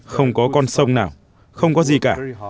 không có con sông nào không có gì cả